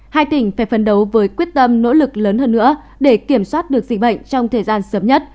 hai tỉnh phải phấn đấu với quyết tâm nỗ lực lớn hơn nữa để kiểm soát được dịch bệnh trong thời gian sớm nhất